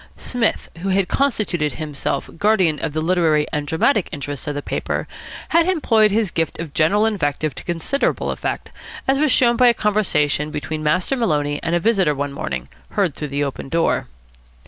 Psmith, who had constituted himself guardian of the literary and dramatic interests of the paper, had employed his gift of general invective to considerable effect, as was shown by a conversation between Master Maloney and a visitor one morning, heard through the open door.